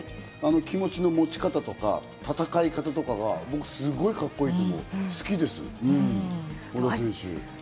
気持ちの持ち方とか、戦い方とかが僕すごいカッコいいと思う、好きです。